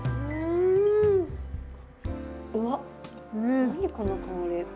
うわっ何この香り。